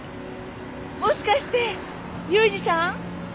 もしかして裕二さん？